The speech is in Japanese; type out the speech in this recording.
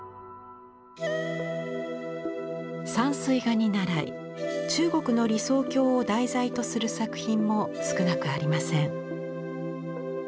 山水画にならい中国の理想郷を題材とする作品も少なくありません。